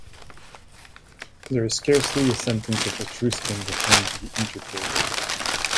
There is scarcely a sentence of Etruscan that can be interpreted.